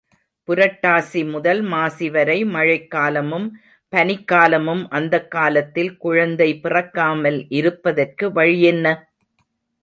புரட்டாசி முதல் மாசிவரை மழைக் காலமும் பனிக்காலமும் அந்தக் காலத்தில் குழந்தை பிறக்காமல் இருப்பதற்கு வழி என்ன?